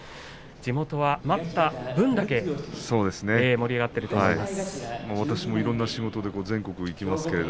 地元は待った分だけ盛り上がっていると思います。